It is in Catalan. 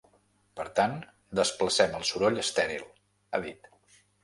Per tant, desplacem el soroll estèril, ha dit.